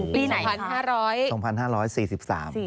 ปีไหนครับ